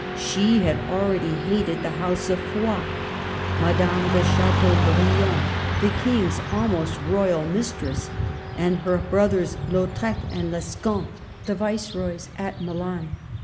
She had already hated the house of Foix, — Madame de Chateaubriand, the King's almost royal mistress, and her broth ers Lautrec and Lescun, the viceroys at Milan.